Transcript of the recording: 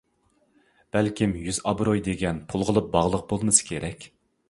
بەلكىم يۈز-ئابرۇي دېگەن پۇلغىلا باغلىق بولمىسا كېرەك.